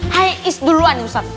hai is duluan nih ustadz